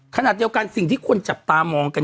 ขณะเดียวกันสิ่งที่คนจับตามองกัน